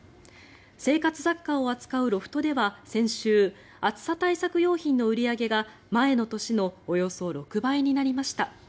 生活雑貨を扱うロフトでは先週暑さ対策用品の売り上げが前の年のおよそ６倍になりました。